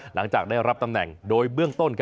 หลังจากได้รับตำแหน่งโดยเบื้องต้น